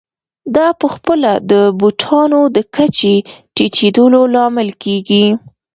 دا په خپله د بوټانو د کچې ټیټېدو لامل کېږي